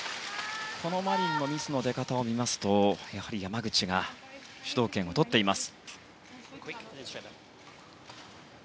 このマリンのミスの出方を見ますとやはり、山口が主導権をとっています。